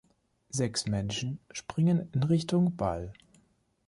Sechs Menschen springen in Richtung Ball.